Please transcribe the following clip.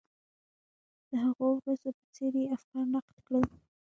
د هغو ورځو په څېر یې افکار نقد کړل.